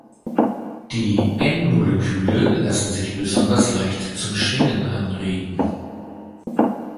Die N-Moleküle lassen sich besonders leicht zum Schwingen anregen.